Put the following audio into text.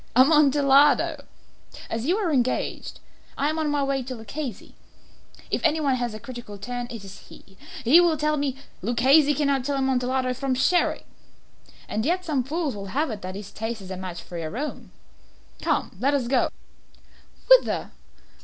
"Amontillado!" "As you are engaged, I am on my way to Luchesi. If any one has a critical turn, it is he. He will tell me " "Luchesi cannot tell Amontillado from Sherry." "And yet some fools will have it that his taste is a match for your own." "Come, let us go." "Whither?"